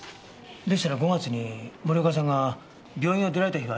でしたら５月に森岡さんが病院を出られた日はありませんでしたか？